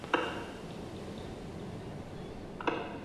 Fuertes marejadas mataron a un surfista en el condado de Pinellas.